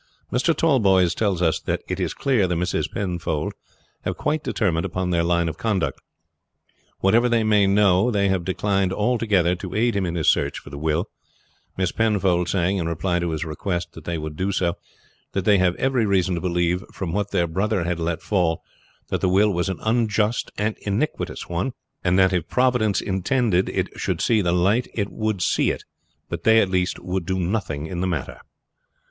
Mr. Tallboys tells us that it is clear the Misses Penfold have quite determined upon their line of conduct. Whatever they may know they have declined altogether to aid him in his search for the will, Miss Penfold saying, in reply to his request that they would do so, that they had every reason to believe from what their brother had let fall that the will was an unjust and iniquitous one; that if Providence intended it should see the light it would see it; but they at least would do nothing in the matter.